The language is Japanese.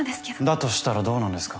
だとしたらどうなんですか？